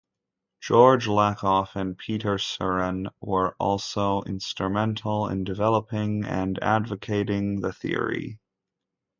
George Lakoff and Pieter Seuren were also instrumental in developing and advocating the theory.